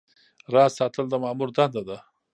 راز ساتل د مامور دنده ده